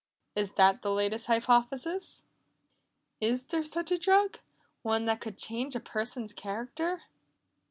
Is that the latest hypothesis?" "Is there such a drug? One that could change a person's character?"